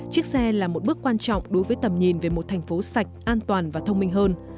chiếc xe là một bước quan trọng đối với tầm nhìn về một thành phố sạch an toàn và thông minh hơn